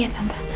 ya tanpa apa